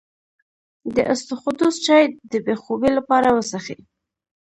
د اسطوخودوس چای د بې خوبۍ لپاره وڅښئ